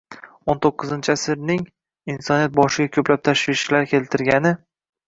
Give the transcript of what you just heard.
o'n to'qqizinchi asrning insoniyat boshiga ko'plab tashvishlar keltirgani